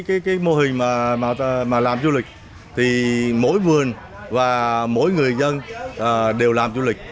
cái mô hình mà làm du lịch thì mỗi vườn và mỗi người dân đều làm du lịch